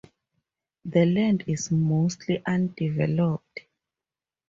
The land is mostly undeveloped.